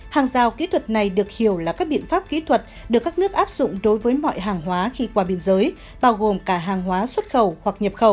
hàng rào kỹ thuật này được hiểu là các biện pháp kỹ thuật được các nước áp dụng đối với mọi hàng hóa khi qua biên giới bao gồm cả hàng hóa xuất khẩu hoặc nhập khẩu